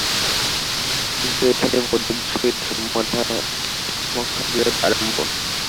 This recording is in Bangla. কিন্তু এইখানেই বৌদ্ধদের সহিত মহা বিরোধ আরম্ভ।